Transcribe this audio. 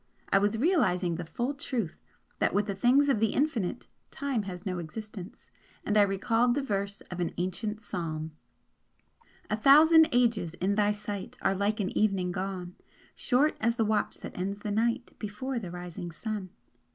I was realising the full truth that with the things of the infinite time has no existence, and I recalled the verse of the ancient psalm: "A thousand ages in Thy sight Are like an evening gone, Short as the watch that ends the night Before the rising sun."